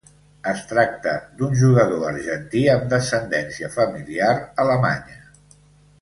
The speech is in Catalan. Es tracta d'un jugador argentí amb descendència familiar alemanya.